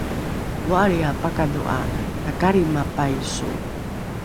vo’alriae pakadho’a takalrima paiso